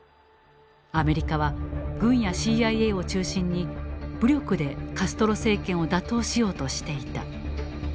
アメリカは軍やＣＩＡを中心に武力でカストロ政権を打倒しようとしていた。